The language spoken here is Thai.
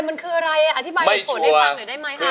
มันคืออะไรอธิบายในคลิปให้ฟังหน่อยได้ไหมคะไม่ชัวร์